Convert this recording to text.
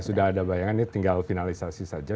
sudah ada bayangan ini tinggal finalisasi saja